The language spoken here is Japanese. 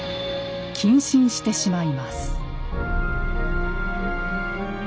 謹慎してしまいます。